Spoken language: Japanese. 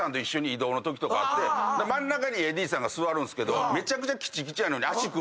真ん中にＡＤさん座るんすけどめちゃくちゃきちきちやのに。